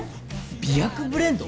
媚薬ブレンド！？